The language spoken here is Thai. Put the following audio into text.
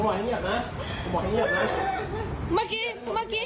เออมันทำให้ผู้หญิงเขาเป็นแฟนเถอะ